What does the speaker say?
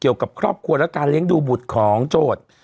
เกี่ยวกับครอบครัวและการเลี้ยงดูบุตรของโจทย์